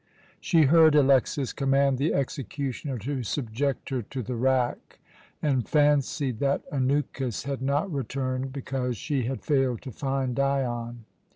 She heard Alexas command the executioner to subject her to the rack, and fancied that Anukis had not returned because she had failed to find Dion.